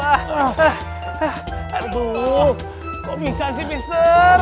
aduh kok bisa sih mr